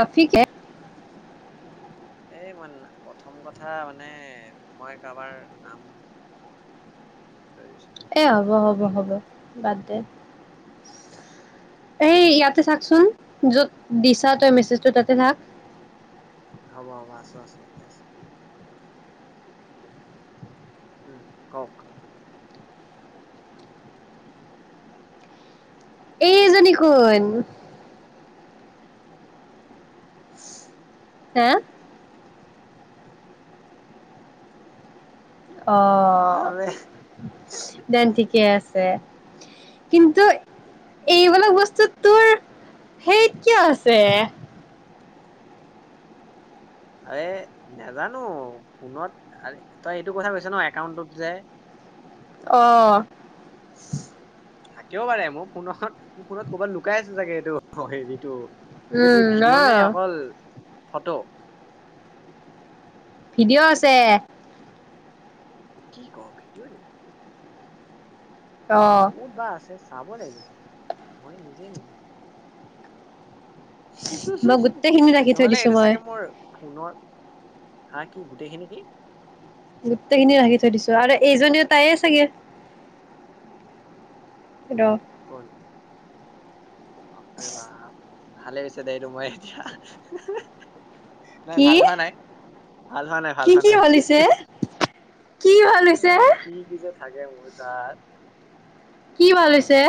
আফিকে এই মই প্ৰথম কথা মানে মই কাৰোবাৰ নাম লৈ দিছিলো। এ হ'ব হ'ব ল'ব হ'ব নালাগে বাদ দে এই ইয়াতে চাকচোন য'ত দিছা তই মেছেজটো তাতে থাক। হ'ব হ'ব আছো আছো ইয়াতে আছো। উম কওক এইজনী কোন হে অ আৰে দেন ঠিকে আছে ছে কিন্তু এইবিলাক বস্তু তোৰ সেইত কিয় আছে এ নাজানো ফোনত তই এইটো কথা কৈছ ন একাউণ্টত যে অহ থাকেও পাৰে মোৰ ফোনত মোৰ ফোনত কৰ'বাত লুকাই আছেো চাগে এইটো হেৰিটো এইটো কি উম অ ভিডিঅ' নে অকল ফটো ভিডিঅ' আছে কি ক ভিডিঅ'ৱে অ ক'ত বা আছে চাবৰ লাগিব মই নিজেই নাজানো মই গোটেইখিনি ৰাখি থৈ নহ'লে দিছো এইটো মই চাগে মোৰ ফোনৰ হা কি গোটেইখিন কি গোটেইখিনি ৰাখি থৈ দিছো আৰু এইজনীও তায়েই চাগে ৰ কল বাপৰে বাপ ভালেই হৈছে দে এইটো মই এতিয়া হে হে হে নাই কি ভাল হোৱা নাই ভাল হোৱা নাই কি ভাল হোৱা কি নাই হি হৈছে হি কি ভাল হি হৈছে আ কি কি যে থাকে মানে তাত কি ভাল হৈছে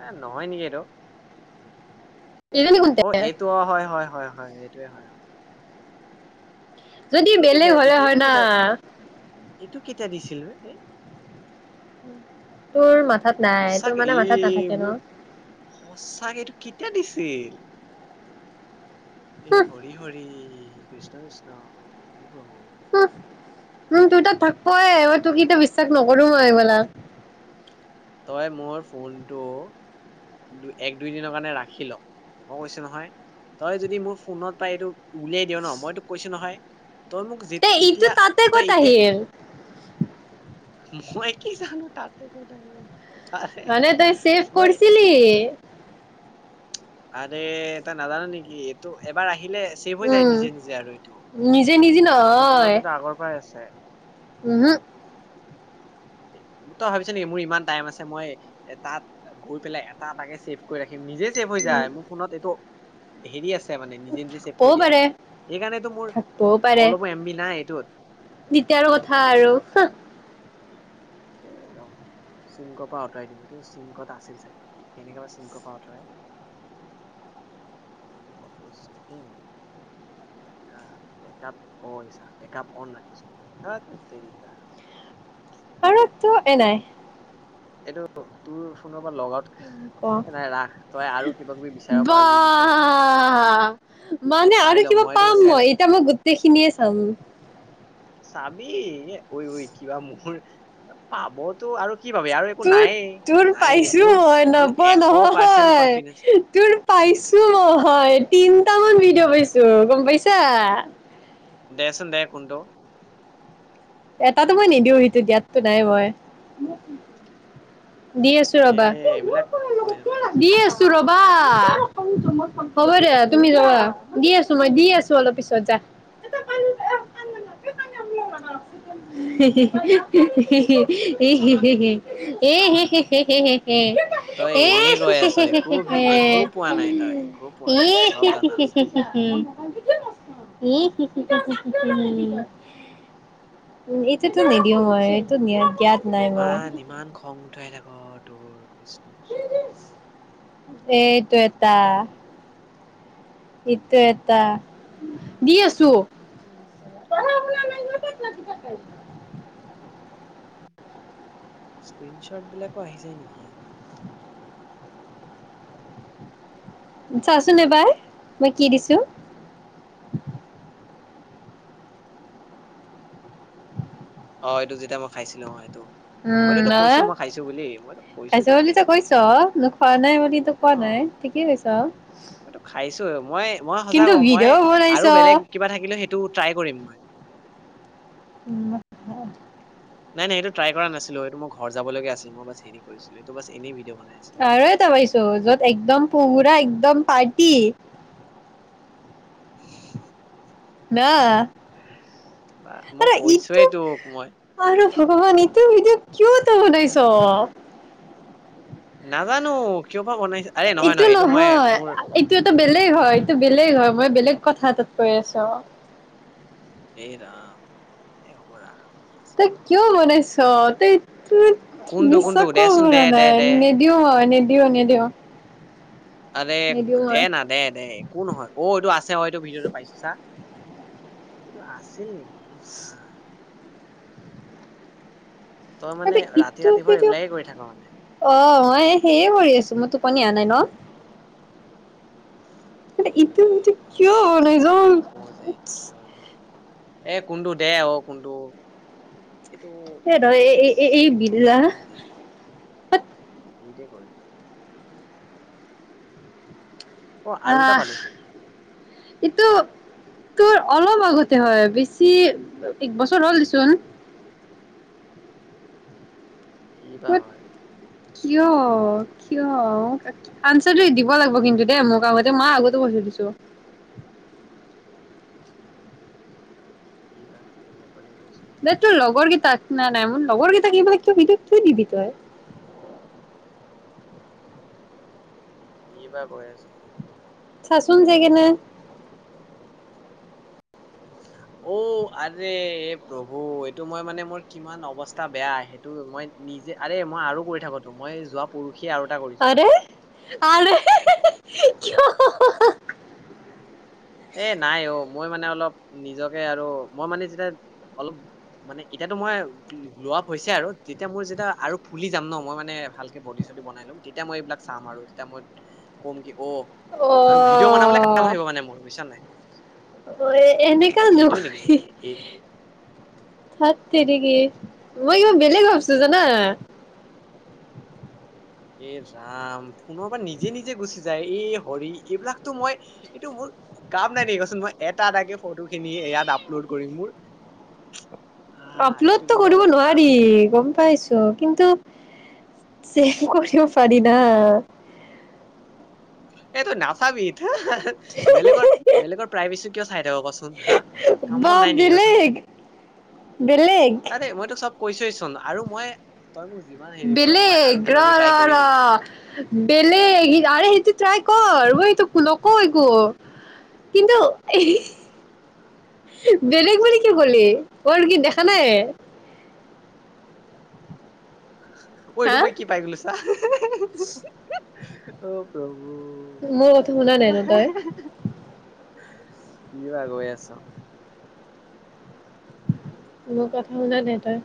এ নহয় নেকি এইটো এইজনী কোনতে অ এইটো অ হয় হয় হয় হয় এইটোয়ে হয় আৰু যদি বেলেগ কেতিয়া হলে এতিয়া হয় এইটো না কেতিয়া এইটো কেতিয়া দিছিল তোৰ মাথাত নাই তোৰ সঁচাকে মানে মাথাত নাথাকে ন তাক এইটো কেতিয়া দিছিল এ হুহ হৰি হৰি কৃষ্ণ কৃষ্ণ হু প্ৰভু হুহ উম তোৰ তাত থাকপৱে মই তোক ইটা বিশ্বাস নকৰো মই এইবেলাক। তই মোৰ ফোনটো দু - এক দুই দিনৰ কাৰণে ৰাখি ল, ম কৈছো নহয় তই যদি মোৰ ফোনত পাই এইটো উলিয়াই দিওঁ ন মই তোক কৈছো নহয় তই মোক যে তে - ইটো তেতিয়া তাতে তই ক'ত এতিয়া আহিল মই কি জানো তাতে কত আহিল। আৰে মানে তই চেভ মই কৰছিলি। আৰে তই নাজানো নেকি এইটো এবাৰ আহি হিলে ছেভ হৈ যায় উম নিজে নিজে আৰু এইটো। নিজে নিজে মোৰ নহয় ফোনত [unintelligible] আগৰ পৰাই আছে। উমহু ম তই ভাবিছ নেকি মোৰ ইমান টাইম আছে, মই তাত গৈ পেলাই এটা এটাকে ছেভ কৰি ৰাখি নিজে ছেভ হৈ যায় মোৰ ফোনত এইটো হেৰি আছে ছে মানে নিজে নিজে ছেভ কৰি হ'বও দিয়াটো, পাৰে সেইকাৰণেটো মোৰ থাকবও পাৰে অলপো এম বি নাই এইটোত তেতিয়া আৰু কথা আৰু হুহ এ ৰ চিংকৰ পৰা অঁতৰাই দিউ, এইটো চিংকত আছিল চাগে, কেনেকে বা চিংকৰ পৰা অঁতৰাই ফটো ছিংক, বেকআপ, বেকআপ অ' এই চা বেকআপ অন ৰাখিছো মই, ধত তেৰিকা। আৰু টো এ নাই এইটো তোৰ ফোনৰ পৰা লগ আউট এ নাই ৰাখ তই আৰু কিবা কিবি বিচাৰ [unintelligible] পাৰ বা যদি বিচাৰি ৰাখাচোন চাই ল'ম মানে চাই আৰু ল'ম কিবা মইতো পাম চেলে মই, এতিয়া মই গোটেইখিনিয়ে চাম। চাবি, ঐ ঐ কিবা মোৰ পাবত টো আৰু কি পাবি আৰু একো তোৰ নায়েই - তোৰ নায়েই পাইছোঁ মোৰ মই মোৰ নপোৱা এশ পাৰ্চেন্ট কনফিডেন্স নহয়, তোৰ পাইছোঁ ম‌ই তিন তিন্‌টামান ভিডিঅ' পাইছোঁ গম পাইছা? দেছোন দে কোনটো? এটাতো মই নিদিওঁ সিটো দিয়াতটো নাই মই। দি আছো এ ৰবা এইবিলাক কৈ [unintelligible] নাথাকিচোন দি আছো ৰবা। [unintelligible] তুমি যোৱা দি আছোঁ, মই দি আছোঁ। অলপ পিছত যা। [unintelligible] [unintelligible] তই এনেই গৈ আছ একো ভি- একো পোৱা নাই তই একো পোৱা নাই চব জানা [unintelligible] আছে। [unintelligible] উ এইটোতো নিদিওঁ মই এইটো নিয়া ইমান, ইমান খং উঠাই থাক [unintelligible] এইটোৱে। তা। ইট। [unintelligible] স্ক্ৰীন শ্বট বিলাকো আহিজায় নেকি? চাচোন এবাৰ মই কি দিছোঁ। অ', এইটো যেতিয়া মই খাইছিলোঁ অ', এইটো। মইতো উম তোক কৈছোঁ আহ মই খাইছোঁ বুলি‌, মই তোক কৈছোঁ খাইছ তোক খাইছো তই বুলি। কৈছ খোৱা নাই বুলি তো কোৱা নাই অ', ঠিকেই কৈছ মইতো খাইছোঁ, মই মই সচা কিন্তু কওঁ মই ভিডিঅ' বনাইছ আৰু বেলেগ কিবা থাকিলে সেইটো ট্ৰাই কৰিম মই। উম। নাই নাই এইটো ট্ৰাই কৰা নাছিলোঁ, এইটো মোৰ ঘৰ যাব লগীয়া আছিল। মই বাছ হেৰি কৰিছিলোঁ, এইটো বাচ এনেই ভিডিঅ বনাই। আছিলো এইটো আৰু এটা পাইছোঁ য'ত একদম পুৰা একদম পাৰ্ট। কি? [unintelligible] নাহ। বা মই আৰু কৈছোৱে ইটো! তোক মই আৰু ভগৱান ইটো ভিডিঅ' কিয়? ত‌ই বনাইছ। নাজানো। কিয় বা বনাইছে আৰে নহয় এইটো মই নহয় মোৰ এইটো এটা বেলেগ হয় এইটো বেলেগ হয় মই বেলেগ। কথা এটাত কৈ আছোঁ অ'। এই ৰাম। এই হ'ব ৰাখ। আৰু কি আছে। তই কিয় বনাইছ? চ তেইত। টুইট, কোনটো কোনটো বিশ্বাস কৰিব দেচোন দে পৰা দে নাই, দে নিদিওঁ ম‌ই নিদিও, নিদিওঁ। দে দে না দে দে একো নহয় অ এইটো আছে অ এইটো ভিডিঅ'টো পাইছো চা। অইটো আছিল নেকি। ইচ ৰাম। তই মানে ৰাতি এইটো ৰাতিভৰ ইটো এইবিলাকে কৰি থাক মানে অ মই সেয়ে কৰি আছো মই টোপনিয়া নাই ন। আ কিন্তু ইটো ভিডিঅ' হ কিয় বনাইছ? ছোৱালীবোৰ নোপোৱা যায় কিয় যে নোপোৱা। এ কোনটো দে অঔ কোনটো। এইটো এই ৰ এইটো এই এই এই চফ বিল্লা নকৰোঁ। দিদে ক এইটো। অ পালোচোন ইটো। তোৰ অলপ আগতে হয় বেছি একবছৰ হ'ল দেচোন। কি বা বাট হয়। কিয় কিয় আনঞ্চ দিব লাগিব কিন্তু দেই মোক আগতে মই আগতে বচি দিছো। এই মাছ দি [unintelligible] দে তোৰ লগৰ কেইটাক না নাই মোৰ লগৰ কেইটাক কিবাগ [unintelligible] কিয় দিবি তই কি বা কৈ আছে চাচোন যায় কিনে অ আৰে প্ৰভু এইটো মই মানে মোৰ কিমান অৱস্থা বেয়া সেইটো মই নিজে আৰে মই আৰু কৰি থাকোতো মই যোৱা পৰ- আৰে আৰে হি হি হি খিয় হাঃ হাঃ হাঃ এ নাই অ মই মানে অলপ নিজকে আৰু মই মানে যেতিয়া অলপ মানে ইতাতো মই লোৱা পইচাই আৰু যেতিয়া মোৰ যেতিয়া আৰু ফুলি যাম ন মই মানে ভালকে বডী চডী বনাই লম তেতিয়া মই এইবিলাক চাম আৰু তেতিয়া মই কম কি অ অ আৰু ভিডিঅ' বনাবলৈ কাম আহিব মানে মোৰ ছ নাই অ এনেকা অ এইটো নেকি নোৰি এই থাত তেৰিকি মই ইমান বেলেগ ভাবছো জানা এ ৰাম ফোনৰ পৰা নিজে নিজে গুচি যায় এই হৰি এইবিলাকতো মই এইটো মোৰ কাম নাই ন কচোন মই এটা এটাকে ফটো খিনি ইয়াত আপলোড কৰিম মোৰ আহ এইটো আপলোডটো কিন্তু কৰিব অলপ টান নোৱাৰি আছিল দে গম পাইছো কিন্তু চেন্দ কৰিব পাৰি না এইটো নাচাবি থা হা হা বেলেগৰ বেলেগৰ প্ৰাইভেচি কিয় চাই থাক কচোন হা কাম বা মন নাই নেকি কচোন বেলেগ বেলেগ মই তোক চব- কৈছোৱেচোন আৰু মই তই মোক যিমান হেৰি কৰ মই আৰু বলেগ কিবা ৰ কিবি ৰ ট্ৰাই ৰ কৰিমেই বেলেগ আৰে সেইটো ট্ৰাই কৰ মই এই তো নকওঁ একো কিন্তু এ বেলেগ বুলি কি কলি গ'ল কি দেখা নাই ঐ এইটো হা মই কি পাই গলো ছা অ প্ৰভ- মোৰ কথা শুনা নাই ন তই? কি বা গৈ আছ মোৰ কথা শুনা নাই তই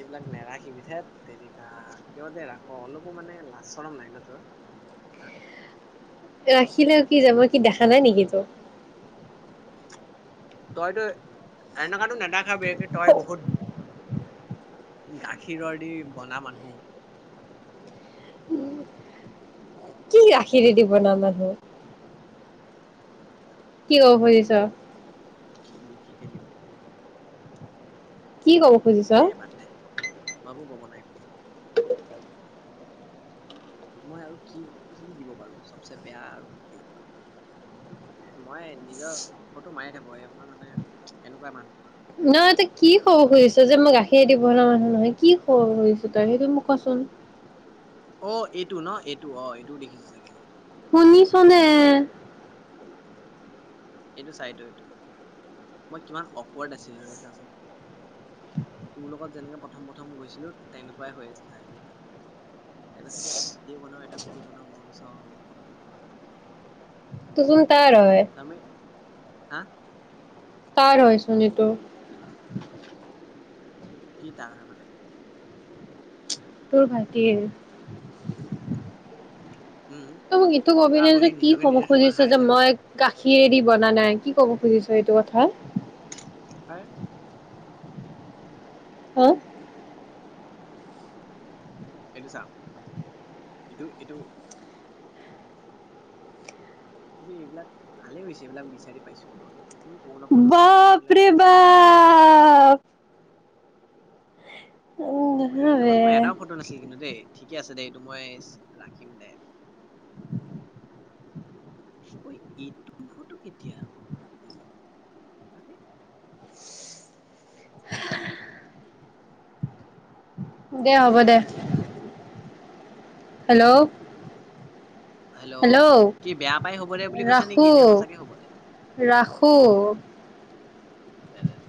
এইবিলাক নেৰাাখিবি ঠেত তেৰিকা কিয় যে ৰাখ অলপো মানে লাজ-চৰম নাই ন তোৰ হা ৰাখিলেও কি যাব কি দেখা নাই নেকি তয় তইতো এনেকুৱাতো নেদেখাবি তই বহুত গাখীৰৰ দি বনা মানুহ কি গাখিৰেদি বনা মানুহ কি ক'ব খুজিছ আহ লিখি লিখিকে দিওঁ কি ক'ব এ খুজিছ বাদ দে [unintelligible] নাই খোজা মই আৰু কি কি দিব পাৰো চবচে বেয়া আৰু কি দিব পাৰো এ মই নিজৰ ফটো মাৰি থাকো এই মই মানে এনেকুৱা মানুহ নহয় তই কি ক'ব খুজিছ যে মই গাখী- খীৰে দি বনা মানুহ নহয় কি কব খুজিছ তই সেইটো মোক কোৱা চোন অ এইটো ন এইটো অ এইটোও দেখিছে চাগে অ শুনিছনে এইটো চাই এইতো এইটো মই কিমান অকৱাৰড আছিলোনে চাচোন তোৰ লগত যেনেকে প্ৰথম প্ৰথম গৈছিলো তেনেকুৱাই হৈ আছিল তাই লগত কাইলৈ চাগে এটা ভিডিঅ' বনাওয়ে এটা ভিডিঅ' বনাও মই গৈছো অ হ'ব দৰকাৰ নাই তাৰ হয় চামে হা তাৰ হয়চোন এইটো কি তাৰ হয় মানে তোৰ ভাইটিৰ উম তই মোক ইটো চা কবি নে আকৌ যে সি কি নিজকে কব নিজে চুমা খুজিছ খাই যে চা মই কা খিয়েদি বনা নাই কি ক'ব খুজিছ এইটো কথা হয় ক এইটো চা এইটো এইটো আমি এইবিলাক ভালে হৈছে এইবিলাক বিচাৰি পাইছো ন ইমান পুৰণা পুৰণা ফটোবিলাক বাপৰে অ বাপ অ এই লগত বে মোৰ এটাও ফটো নাছিল কিন্তু দেই ঠিকে আছে দেই মইচ ৰাখিম দে ঐ এইটো ফটো কেতিয়া আকৌ হা হ'ব বিশ দে ডিচেম্বৰ হেল্ল' হেল্ল' কি বেয়া পাই হব দে বুলি কৈছা নেকি ৰাখো নে সঁচাকে হব দে। ৰাখো অ দে দে দে।